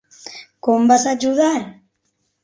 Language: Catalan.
Com vas ajudar?